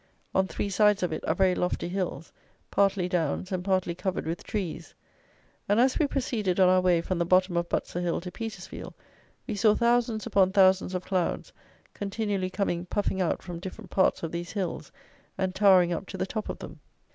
On three sides of it are very lofty hills, partly downs and partly covered with trees: and, as we proceeded on our way from the bottom of Butser hill to Petersfield, we saw thousands upon thousands of clouds, continually coming puffing out from different parts of these hills and towering up to the top of them.